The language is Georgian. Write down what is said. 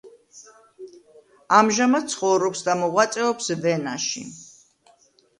ამჟამად ცხოვრობს და მოღვაწეობს ვენაში.